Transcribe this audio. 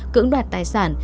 cưỡng đoạt tài sản